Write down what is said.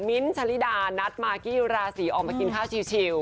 มินลีชณภิกษานัสมากิราชีออกมากินข้าวชิว